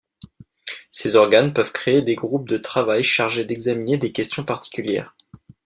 Ces organes peuvent créer des groupes de travail chargés d'examiner des questions particulières.